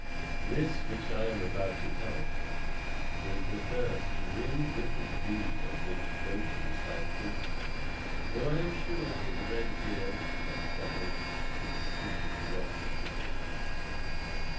This which I am about to tell was the first really wicked deed of which Loki was found guilty, though I am sure his red beard had dabbled in secret wrongs before.